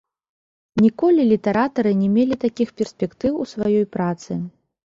Ніколі літаратары не мелі такіх перспектыў у сваёй працы.